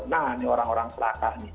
nah ini orang orang selatan nih